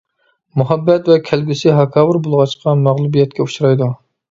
مۇھەببەت ۋە كەلگۈسى: ھاكاۋۇر بولغاچقا، مەغلۇبىيەتكە ئۇچرايدۇ.